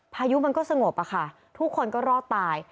พายุมันก็สงบอะค่ะทุกคนก็รอดตาย